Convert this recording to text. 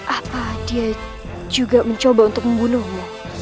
apa dia juga mencoba untuk membunuhmu